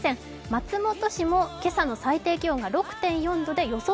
松本市も今朝の最低気温が６．４度で予想